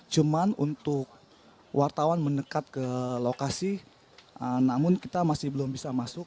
cuman untuk wartawan mendekat ke lokasi namun kita masih belum bisa masuk